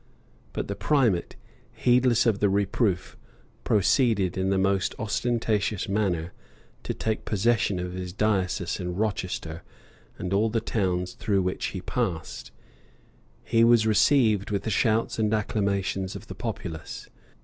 But the primate, heedless of the reproof, proceeded in the most ostentatious manner to take possession of his diocese in Rochester and all the towns through which he passed, he was received with the shouts and acclamations of the populace.